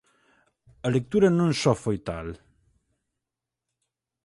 A lectura non só foi tal.